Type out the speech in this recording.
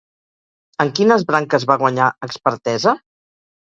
En quines branques va guanyar expertesa?